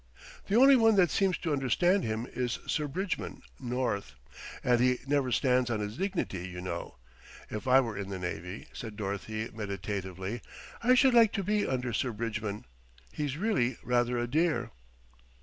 "The only one that seems to understand him is Sir Bridgman North, and he never stands on his dignity, you know. If I were in the Navy," said Dorothy meditatively, "I should like to be under Sir Bridgman, he's really rather a dear."